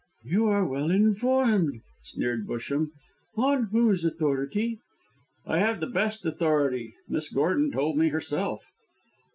"You are well informed," sneered Busham. "On whose authority?" "I have the best authority. Miss Gordon told me herself."